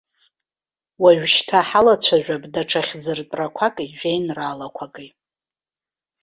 Уажәшьҭа ҳалацәажәап даҽа хьӡыртәрақәаки, жәеинраалақәаки.